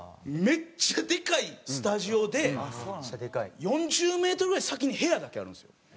めっちゃでかいスタジオで４０メートルぐらい先に部屋だけあるんですよ。